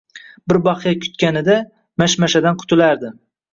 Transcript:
Bir baxya kutganida, mashmashadan qutulardi